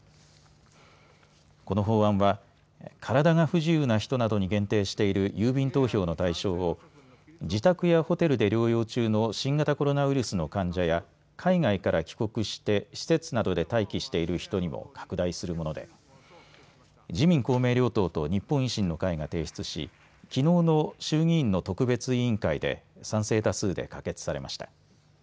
この法案は体が不自由な人などに限定している郵便投票の対象を自宅やホテルで療養中の新型コロナウイルスの患者や海外から帰国して施設などで待機している人にも拡大するもので自民公明両党と日本維新の会が提出し、きのうの衆議院の特別委員会で賛成多数で可決されました。